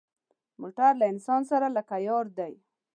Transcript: موټر له انسان سره لکه یار دی.